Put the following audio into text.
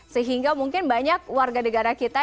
sehingga mungkin banyak warga negara kita